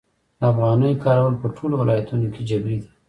د افغانیو کارول په ټولو ولایتونو کې جبري دي؟